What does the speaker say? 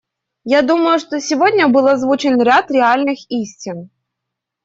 Я думаю, что сегодня был озвучен ряд реальных истин.